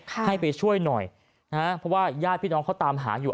ให้ไปช่วยหน่อยนะฮะเพราะว่าญาติพี่น้องเขาตามหาอยู่